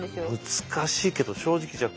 難しいけど正直じゃあ